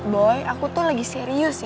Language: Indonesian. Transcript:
boy aku tuh lagi serius ya